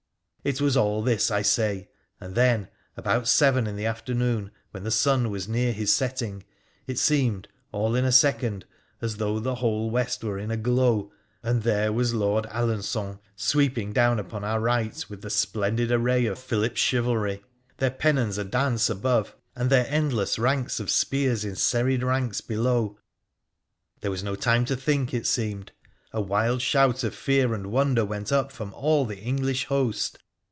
It was all this, I say ; and then, about seven in the afternoon, when the sun was near his setting, it seemed, all in a second, as though the whole west were in a glow, and there was Lord Alencon sweeping down upon our right with the splendid array of Philip's chivalry, their pennons a dance above and their end less ranks of spears in serried ranks below. There was no time to think, it seemed. A wild shout of fear and wonder went PHRA THE PIKENIC1AN 207 Op from all the English host.